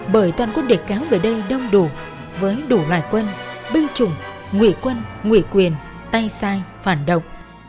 bởi toàn quân địch kéo về đây đông đủ với đủ loài quân binh chủng ngụy quân ngụy quyền tay sai phản động